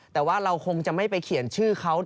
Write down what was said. แต่ว่าเราคงจะไม่ไปเขียนชื่อเขา